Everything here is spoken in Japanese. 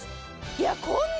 いやこんな